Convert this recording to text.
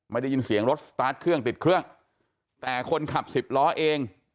ได้ยินเสียงรถสตาร์ทเครื่องติดเครื่องแต่คนขับสิบล้อเอง